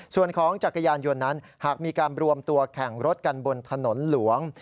ส่วนของจักรยานยนต์นั้นหากมีการรวมตัวแข่งรถกันบนถนนหลวง